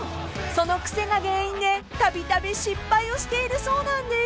［そのクセが原因でたびたび失敗をしているそうなんです］